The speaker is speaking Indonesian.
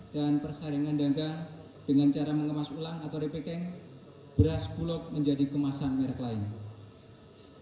dan persaringan daga dengan cara mengemas ulang atau repekeng beras bulog menjadi kemasan merek lainnya